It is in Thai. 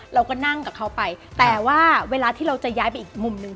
เราก็นั่งกับเขาไปแต่ว่าเวลาที่เราจะย้ายไปอีกมุมหนึ่ง